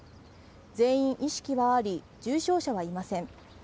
全員意識はあり重症者はいません。